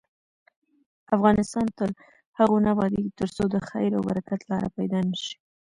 افغانستان تر هغو نه ابادیږي، ترڅو د خیر او برکت لاره پیدا نشي.